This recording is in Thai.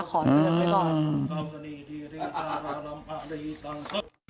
ขอเตือนไว้ก่อน